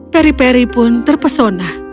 peri peri pun terpesona